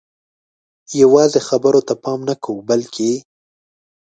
یوازې خبرو ته پام نه کوو بلکې